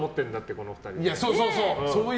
この２人ね。